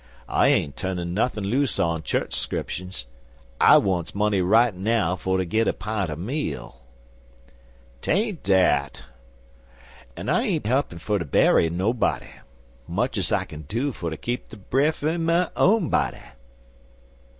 "I ain't turnin' nothin' loose on chu'ch 'scriptions. I wants money right now fer ter git a pint er meal." 'Tain't dat." "An' I ain't heppin fer ter berry nobody. Much's I kin do ter keep de bref in my own body."